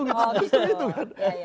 justru itu kan